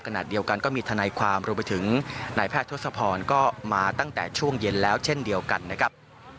ขณะเดียวกันก็มีทนายความรวมไปถึงนายแพทย์ทศพรก็มาตั้งแต่ช่วงเย็นแล้วเช่นเดียวกันนะครับ